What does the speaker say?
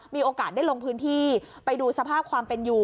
มีโอกาสได้ลงพื้นที่ไปดูสภาพความเป็นอยู่